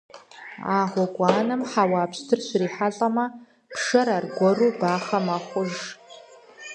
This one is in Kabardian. А гъуэгуанэм хьэуа пщтыр щрихьэлӀэмэ, пшэр аргуэру бахъэ мэхъуж.